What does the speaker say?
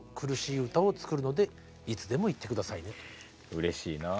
うれしいなあ。